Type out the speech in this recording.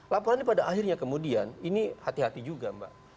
laporannya pada akhirnya kemudian ini hati hati juga mbak